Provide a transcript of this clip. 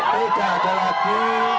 tidak ada lagi